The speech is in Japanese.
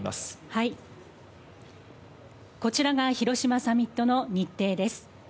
はい、こちらが広島サミットの日程です。